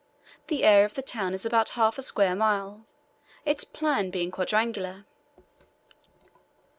The area of the town is about half a square mile, its plan being quadrangular.